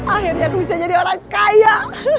akhirnya aku bisa jadi orang kaya